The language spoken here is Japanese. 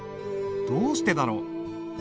どうしてだろう？